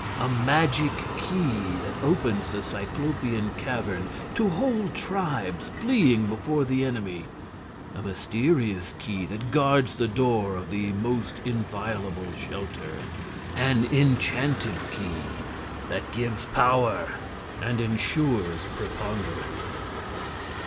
A magic key that opens the cyclopean cavern to whole tribes fleeing before the enemy! A mysterious key that guards the door of the most inviolable shelter! An enchanted key that gives power and ensures preponderance!